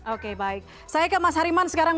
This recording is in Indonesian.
oke baik saya ke mas hariman sekarang